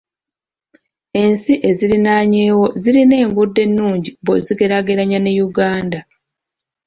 Ensi eziriraanyeewo zirina enguudo ennungi bw'ozigeraageranya ne Uganda.